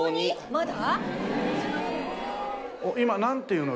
まだ？